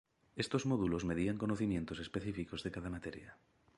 Estos módulos medían conocimientos específicos de cada materia.